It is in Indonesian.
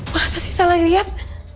masa sih salah diliat